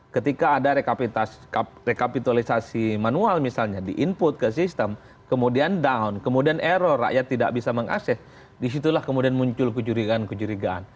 ketika ada rekapitalisasi manual misalnya di input ke sistem kemudian down kemudian error rakyat tidak bisa mengakses disitulah kemudian muncul kecurigaan kecurigaan